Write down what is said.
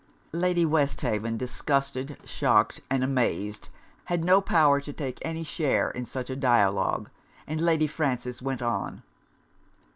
_' Lady Westhaven, disgusted, shocked, and amazed, had no power to take any share in such a dialogue; and Lady Frances went on.